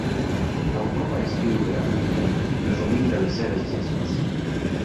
L'autor va escriure a Binley presumint de les seves gestes.